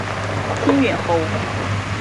清远侯。